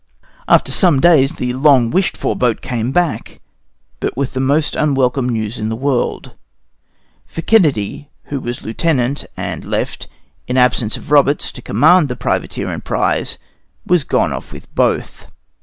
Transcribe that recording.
After some days the long wished for boat came back, but with the most unwelcome news in the world; for Kennedy, who was lieutenant, and left, in absence of Roberts, to command the privateer and prize, was gone off with both.